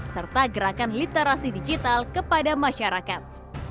serta gerakan literasi digital kepada masyarakat